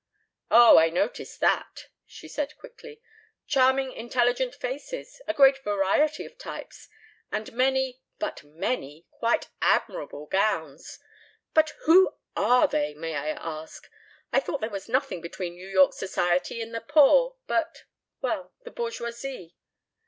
"Oh, I noticed that," she said quickly. "Charming intelligent faces, a great variety of types, and many but many quite admirable gowns. But who are they, may I ask? I thought there was nothing between New York Society and the poor but well, the bourgeoisie."